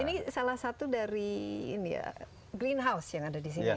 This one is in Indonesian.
ini salah satu dari greenhouse yang ada di sini